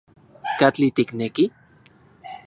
¿Katli tikneki?